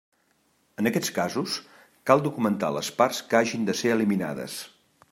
En aquests casos, cal documentar les parts que hagin de ser eliminades.